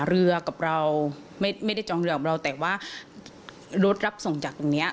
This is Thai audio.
กับเราไม่ได้จองเรือกับเราแต่ว่ารถรับส่งจากตรงเนี้ย